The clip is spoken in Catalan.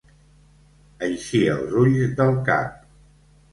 Eixir els ulls del cap.